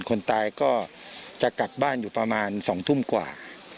คนตายก็จะกลับบ้านอยู่ประมาณ๒ทุ่มกว่า